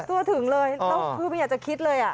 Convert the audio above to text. ทั่วถึงเลยคือไม่อยากจะคิดเลยอ่ะ